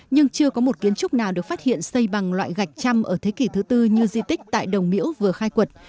nhưng chưa có một kiến trúc nào được phát hiện xây bằng loại gạch trăm ở thế kỷ thứ tư như di tích tại đồng miễu vừa khai quật